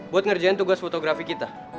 buat ngerjain tugas fotografi kita